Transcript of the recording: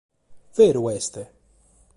Beru est?